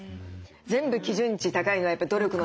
全部基準値高いのはやっぱり努力のたまもの。